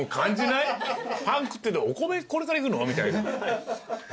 パン食っててお米これから行くの？みたいな。